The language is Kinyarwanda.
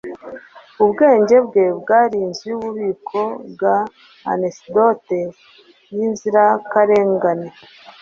Ubwenge bwe bwari inzu yububiko bwa anecdote yinzirakarengane